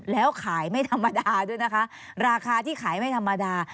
แล้วขายไม่ธรรมดาด้วยนะคะราคาที่ขายไม่ธรรมดา